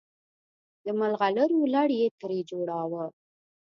د ملغلرو لړ یې ترې جوړاوه.